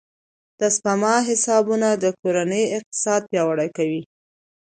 د سپما حسابونه د کورنۍ اقتصاد پیاوړی کوي.